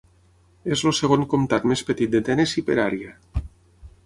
És el segon comtat més petit de Tennessee per àrea.